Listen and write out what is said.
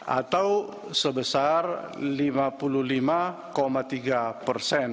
atau sebesar rp lima puluh lima